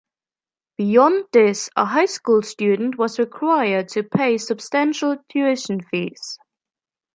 Beyond this, a high school student was required to pay substantial tuition fees.